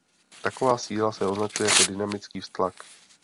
Taková síla se označuje jako "dynamický vztlak".